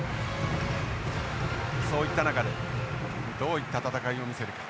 そういった中でどういった戦いを見せるか。